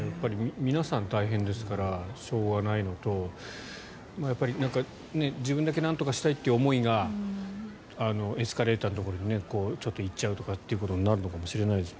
皆さん大変ですからしょうがないのとやっぱり自分だけなんとかしたいっていう思いがエスカレーターのところでちょっと行っちゃうということになるのかもしれませんが。